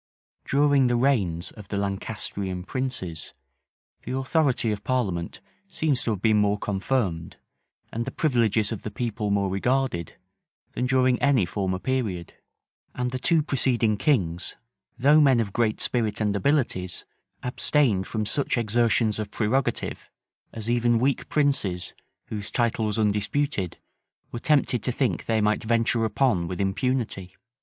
} During the reigns of the Lancastrian princes, the authority of parliament seems to have been more confirmed, and the privileges of the people more regarded, than during any former period; and the two preceding kings, though men of great spirit and abilities, abstained from such exertions of prerogative, as even weak princes, whose title was undisputed, were tempted to think they might venture upon with impunity.